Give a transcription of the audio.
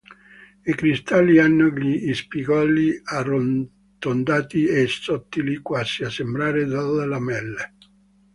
I cristalli hanno gli spigoli arrotondati o sottili, quasi a sembrare delle lamelle.